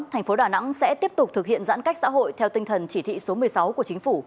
thành phố đà nẵng sẽ tiếp tục thực hiện giãn cách xã hội theo tinh thần chỉ thị số một mươi sáu của chính phủ